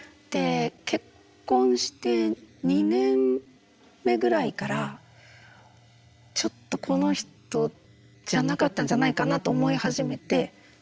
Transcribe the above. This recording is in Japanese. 結婚して２年目ぐらいからちょっとこの人じゃなかったんじゃないかなと思い始めて。